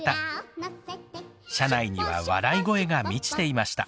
車内には笑い声が満ちていました。